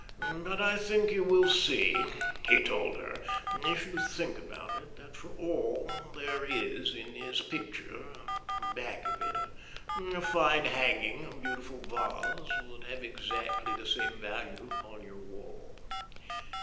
"But I think you will see," he told her, "if you think about it, that for all there is in his picture back of it a fine hanging, a beautiful vase would have exactly the same value upon your wall.